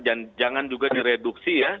jangan juga direduksi ya